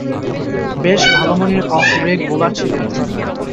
বেশ ভালোমানের off break bowler ছিলেন তিনি।